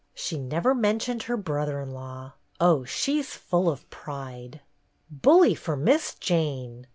She never mentioned her brother in law. Oh, she 's full of pride!" "Bully for Miss Jane!"